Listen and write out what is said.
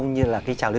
như là cái trào lưu